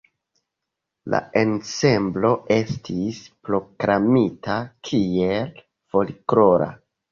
La ensemblo estis proklamita kiel folklora.